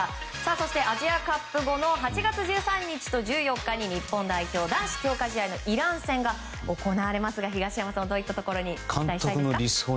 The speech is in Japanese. そしてアジアカップ後の８月１３日と１４日に日本代表男子強化試合のイラン戦が行われますが東山さんはどういったところに注目しますか？